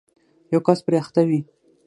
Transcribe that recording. یو کس پرې اخته وي